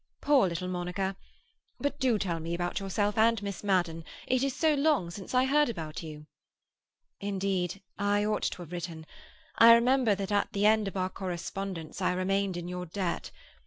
Poor little Monica! But do tell me about yourself and Miss Madden. It is so long since I heard about you." "Indeed I ought to have written. I remember that at the end of our correspondence I remained in your debt.